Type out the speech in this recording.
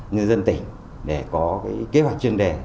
nhân dân tỉnh để có kế hoạch chuyên đề